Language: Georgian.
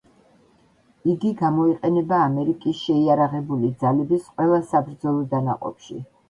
იგი გამოიყენება ამერიკის შეიარაღებული ძალების ყველა საბრძოლო დანაყოფში.